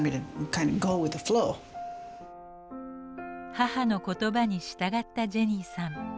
母の言葉に従ったジェニーさん。